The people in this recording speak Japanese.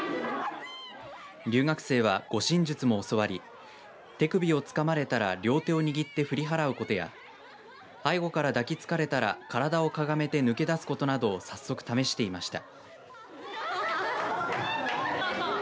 留学生は、護身術も教わり手首をつかまれたら両手を振り払うことや背後から抱きつかれたら体をかがめて抜け出すことなどを早速、試していました。